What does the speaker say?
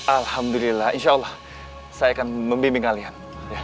alhamdulillah insya allah saya akan membimbing kalian